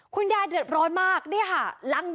คุณยายเด็ดร้อนมากเนี้ยค่ะรังเบอร์เลยคุณผู้ชม